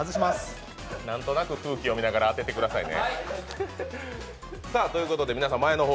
なんとなく空気読みながら当ててくださいね。